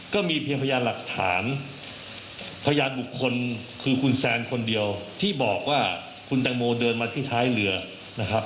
ก็มีเพียงพยานหลักฐานพยานบุคคลคือคุณแซนคนเดียวที่บอกว่าคุณแตงโมเดินมาที่ท้ายเรือนะครับ